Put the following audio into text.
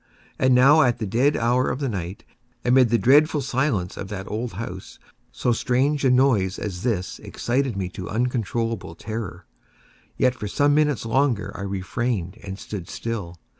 And now at the dead hour of the night, amid the dreadful silence of that old house, so strange a noise as this excited me to uncontrollable terror. Yet, for some minutes longer I refrained and stood still.